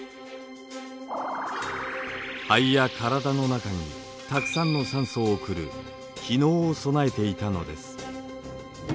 肺や体の中にたくさんの酸素を送る気のうを備えていたのです。